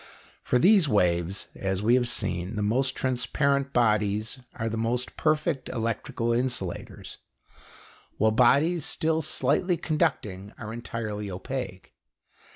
For these waves, as we have seen, the most transparent bodies are the most perfect electrical insulators; while bodies still slightly conducting are entirely opaque.